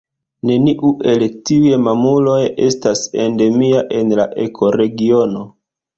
Neniu el tiuj mamuloj estas endemia en la ekoregiono.